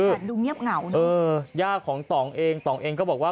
ดูเงียบเหงานะเออย่าของต่องเองต่องเองก็บอกว่า